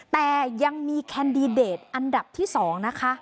แต่ยังมีแคนดิเดตอันดับที่๒นะคะ